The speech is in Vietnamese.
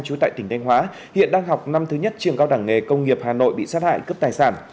trú tại tỉnh thanh hóa hiện đang học năm thứ nhất trường cao đẳng nghề công nghiệp hà nội bị sát hại cướp tài sản